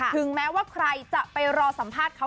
ถึงแม้ว่าใครจะไปรอสัมภาษณ์เขา